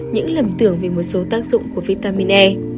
những lầm tưởng về một số tác dụng của vitamin e